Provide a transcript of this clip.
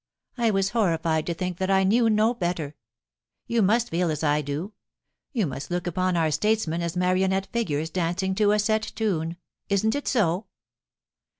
I was horrified to think that I knew no better. ... You must feel as I do. You must look upon our statesmen as marionette figures dancing to a set tune — isn't it so